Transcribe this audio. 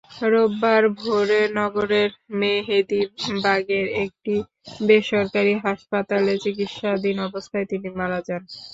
রোববার ভোরে নগরের মেহেদিবাগের একটি বেসরকারি হাসপাতালে চিকিৎসাধীন অবস্থায় তিনি মারা যান।